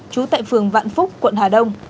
chú tại phường vạn phúc quận hà đông